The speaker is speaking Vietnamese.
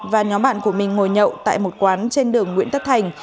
và nhóm bạn của mình ngồi nhậu tại một quán trên đường nguyễn tất thành